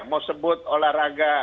mau sebut olahraga